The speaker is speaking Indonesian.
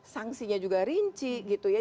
sanksinya juga rinci gitu ya